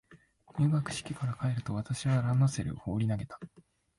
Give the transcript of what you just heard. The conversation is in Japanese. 入学式から帰ると、私はランドセルを放り投げた。